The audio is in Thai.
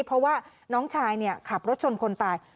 เพราะว่าน้องชายขับรถชนคนตาย